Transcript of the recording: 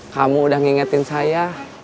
kamu udah ngingetin saya